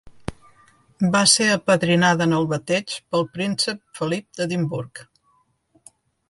Va ser apadrinada en el bateig pel príncep Felip d'Edimburg.